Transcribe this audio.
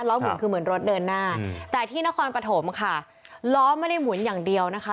หมุนคือเหมือนรถเดินหน้าแต่ที่นครปฐมค่ะล้อไม่ได้หมุนอย่างเดียวนะคะ